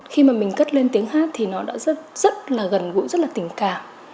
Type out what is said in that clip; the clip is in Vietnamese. khi mà mình cất lên tiếng hát thì nó đã rất là gần gũi rất là tình cảm